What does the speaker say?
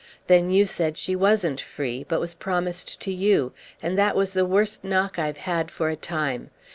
Then you said she wasn't free, but was promised to you, and that was the worst knock I've had for a time.